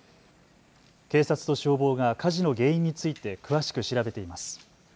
警察と消防が火事の原因について詳しく調べています。